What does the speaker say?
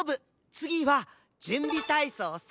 つぎはじゅんびたいそうさ。